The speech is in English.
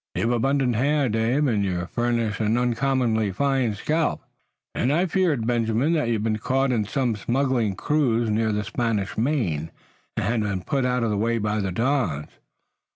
You've abundant hair, Dave, and you'd furnish an uncommonly fine scalp." "And I feared, Benjamin, that you'd been caught in some smuggling cruise near the Spanish Main, and had been put out of the way by the Dons.